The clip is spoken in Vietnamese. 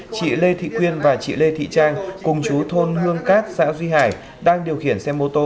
chị lê thị quyên và chị lê thị trang cùng chú thôn hương cát xã duy hải đang điều khiển xe mô tô